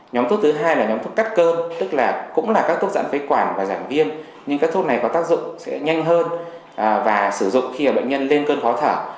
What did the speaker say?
nhóm thuốc thứ hai là nhóm thuốc cắt cơn tức là cũng là các thuốc dạng phế quản và giảm viêm nhưng các thuốc này có tác dụng sẽ nhanh hơn và sử dụng khi bệnh nhân lên cơn khó thở